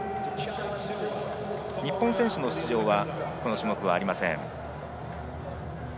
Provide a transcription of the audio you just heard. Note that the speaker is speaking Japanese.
日本選手の出場はこの種目、ありません。